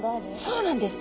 そうなんです。